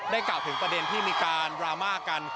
กล่าวถึงประเด็นที่มีการดราม่ากัน